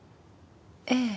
ええ。